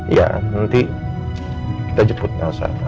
iya nanti kita jemput nasabah